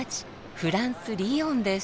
フランス・リヨンです。